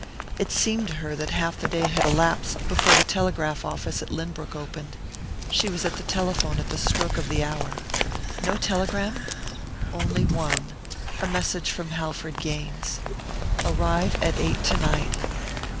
It seemed to her that half the day had elapsed before the telegraph office at Lynbrook opened she was at the telephone at the stroke of the hour. No telegram? Only one a message from Halford Gaines "Arrive at eight tonight."